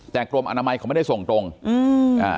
แต่กรมอนามัยเขาไม่ได้ส่งตรงอืมอ่า